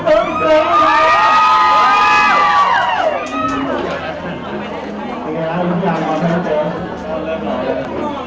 โปรดติดตามต่อไป